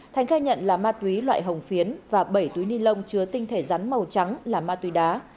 thành khai nhận là ma túy loại hồng phiến và bảy túi ni lông chứa tinh thể rắn màu trắng là ma túy đá